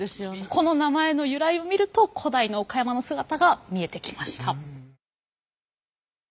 この名前の由来を見ると古代の岡山の姿が見えてきました。